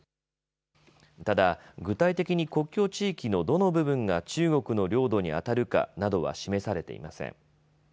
ただ、具体的に国境地域のどの部分が中国の領土にあたるかなどは示されていません。